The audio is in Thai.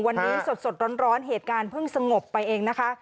วันนี้สดร้อนเหตุการณ์เพิ่งสงบไปเองนะคะ